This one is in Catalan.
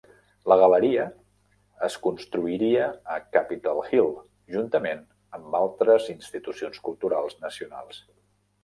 La Galeria es construiria a Capital Hill, juntament amb altres institucions culturals nacionals.